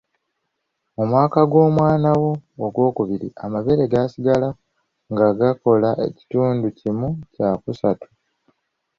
Mu mwaka gw'omwana wo ogwokubiri, amabeere gasigala nga gakola ekitundu kimu kya kusatu .